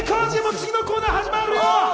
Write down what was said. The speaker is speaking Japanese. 次のコーナー始まるよ！